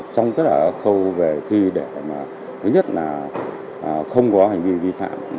trong các khâu về thi để thứ nhất là không có hành vi vi phạm